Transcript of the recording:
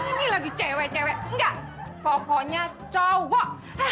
ini lagi cewek cewek enggak pokoknya cowok